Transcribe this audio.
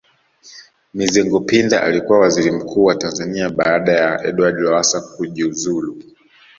Mizengo Pinda alikuwa Waziri Mkuu wa Tanzania baada ya Edward Lowassa kujuzulu